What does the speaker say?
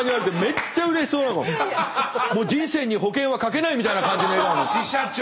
もう人生に保険はかけないみたいな感じの笑顔で。